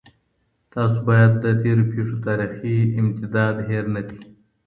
تاسو بايد د تېرو پېښو تاريخي امتداد هېر نه کړئ.